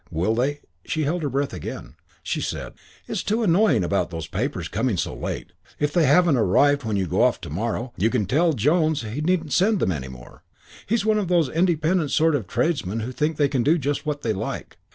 Will they " She held her breath again. She said, "It's too annoying about those papers coming so late. If they haven't arrived when you go off to morrow you can tell Jones he needn't send them any more. He's one of those independent sort of tradesmen who think they can do just what they like.